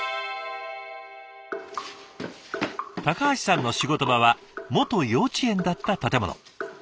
橋さんの仕事場は元幼稚園だった建物。